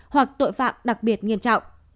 hoặc tội phạm đặc biệt nghiêm trọng